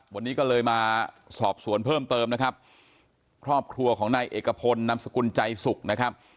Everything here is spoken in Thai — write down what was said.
วันนี้ก็เลยมาสอบสวนเพิ่มเติมนะครับครอบครัวของนายเอกพลนำสกุลใจสุขนะครับ